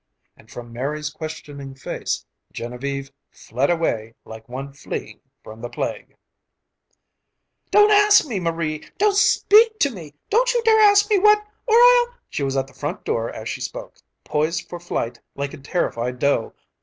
And from Marie's questioning face, Genevieve fled away like one fleeing from the plague. "Don't ask me, Marie! Don't speak to me. Don't you dare ask me what... or I'll..." She was at the front door as she spoke, poised for flight like a terrified doe.